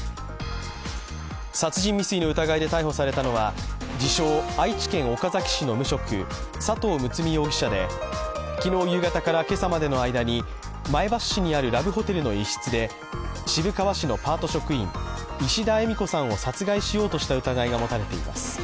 殺人未遂の疑いで逮捕されたのは自称・愛知県岡崎市の無職佐藤睦容疑者で、昨日夕方からけさまでの間に前橋市にあるラブホテルの一室で渋川市のパート職員、石田えみ子さんを殺害しようとした疑いが持たれています。